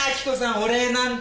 お礼なんて。